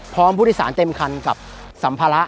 พร้อมผู้โดยสารเต็มคันกับสัมภาระ